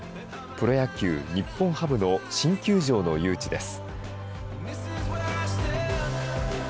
プロ野球・日本ハムの新球場の誘致です。